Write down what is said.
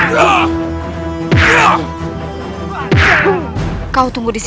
pasti kamu meledak